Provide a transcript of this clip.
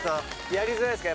やりづらいですか？